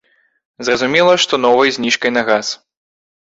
Зразумела, што новай зніжкай на газ.